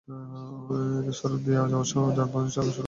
এতে সড়ক দিয়ে যাওয়ার সময় প্রায়ই যানবাহনের চাকা সড়কে আটকে যাচ্ছে।